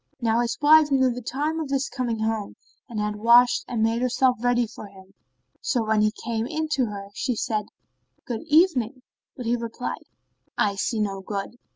Now his wife knew the time of his coming home and had washed and made herself ready for him, so when he came in to her, she said, "Good evening," but he replied "I see no good."